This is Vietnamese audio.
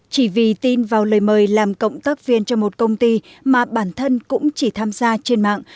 chỉ vì tin vào lời mời làm cộng tác viên cho một công ty mà bản thân cũng chỉ tham gia trên mạng